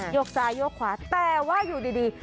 กซ้ายโยกขวาแต่ว่าอยู่ดี